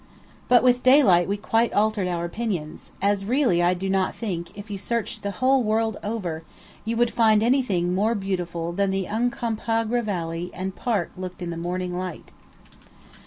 But with daylight we quite altered our opinions; as really I do not think, if you searched the whole world over, you would find anything more beautiful than the Uncompahgre valley and park looked in the morning light.